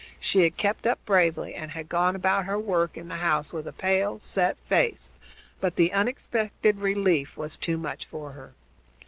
She had kept up bravely and had gone about her work in the house with a pale, set face, but the unexpected relief was too much for her.